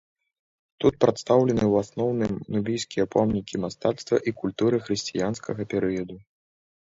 Тут прадстаўлены ў асноўным нубійскія помнікі мастацтва і культуры хрысціянскага перыяду.